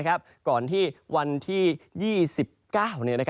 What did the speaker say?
ก่อนที่วันที่๒๙